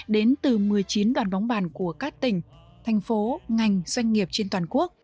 đến từ một mươi chín đoàn bóng bàn của các tỉnh thành phố ngành doanh nghiệp trên toàn quốc